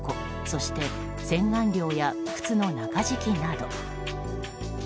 そして、洗顔料や靴の中敷きなど。